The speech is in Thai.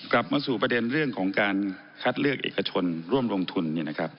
กลับมาสู่ประเด็นเรื่องของการคัดเลือกเอกชนร่วมลงทุน